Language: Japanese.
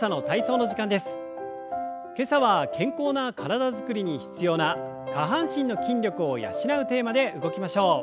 今朝は健康な体づくりに必要な下半身の筋力を養うテーマで動きましょう。